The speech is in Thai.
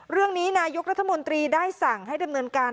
เรื่องนี้นายกรัฐมนตรีได้สั่งให้ดำเนินการ